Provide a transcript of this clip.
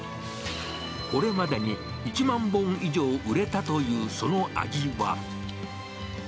これまでに１万本以上売れたというその味は。